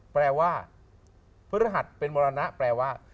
แปลว่าพฤหัสเป็นมรณะแปลว่า